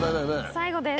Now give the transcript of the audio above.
最後です。